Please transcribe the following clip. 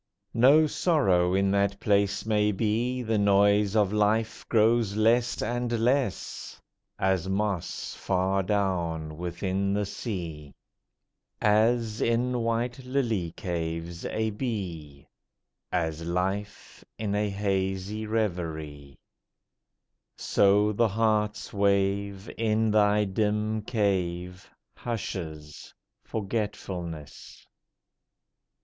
No sorrow in that place may be, The noise of life grows less and less: As moss far down within the sea, As, in white lily caves, a bee, As life in a hazy reverie; So the heart's wave In thy dim cave, Hushes, Forgetfulness!